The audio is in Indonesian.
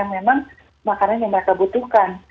memang makanan yang mereka butuhkan